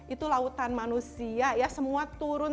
itu lautan manusia ya semua turun